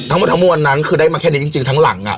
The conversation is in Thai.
ทั้งหมดทั้งมวลนั้นคือได้มาแค่นี้จริงทั้งหลัง